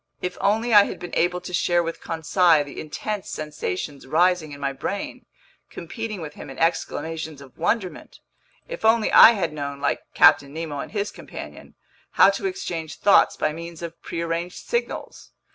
If only I had been able to share with Conseil the intense sensations rising in my brain, competing with him in exclamations of wonderment! If only I had known, like Captain Nemo and his companion, how to exchange thoughts by means of prearranged signals!